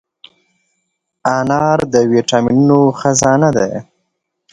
انار د ویټامینونو خزانه ده.